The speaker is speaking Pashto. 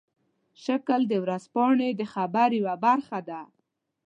شکل د ورځپاڼې د خبر یوه برخه ده.